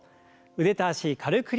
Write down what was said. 腕と脚軽く振ります。